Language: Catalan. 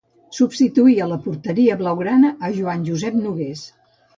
Substituí a la porteria blaugrana a Joan Josep Nogués.